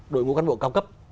đội ngũ căn bộ cao cấp